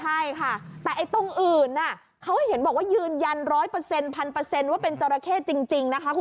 ใช่ค่ะแต่ไอ้ตรงอื่นน่ะเขาเห็นบอกว่ายืนยันร้อยเปอร์เซ็นต์พันเปอร์เซ็นต์ว่าเป็นจราเข้จริงนะคะคุณสุขคุณ